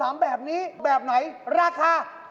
ไม่มีความอร่อยนะ